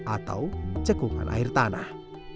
atau cekungan air tanah